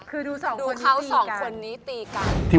คือดูเขาสองคนนี้ตีกัน